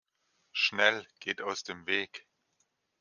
Schnell, geht aus dem Weg!